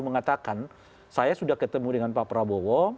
mengatakan saya sudah ketemu dengan pak prabowo